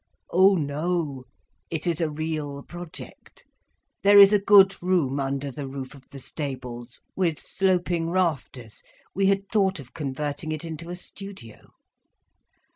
"Oh no. It is a real project. There is a good room under the roof of the stables—with sloping rafters. We had thought of converting it into a studio."